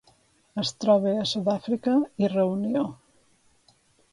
Es troba a Sud-àfrica i Reunió.